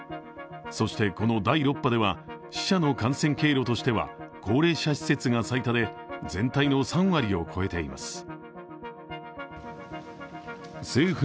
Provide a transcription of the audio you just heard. そして、この第６波では死者の感染経路としては高齢者施設が最多で全体の３割を超えています。